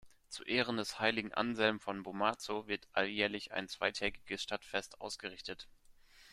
Zu Ehren des Heiligen Anselm von Bomarzo wird alljährlich ein zweitägiges Stadtfest ausgerichtet.